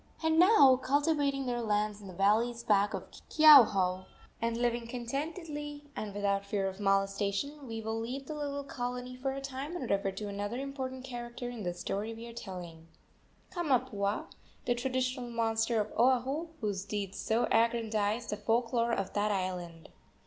And now, cultivating their lands in the valleys back of Keauhou, and living contentedly and without fear of molestation, we will leave the little colony for a time and refer to another important character in the story we are telling Kamapuaa, the traditional monster of Oahu, whose deeds so aggrandize the folk lore of that island.